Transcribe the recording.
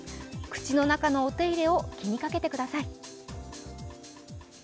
口の中のお手入れを気にかけてください。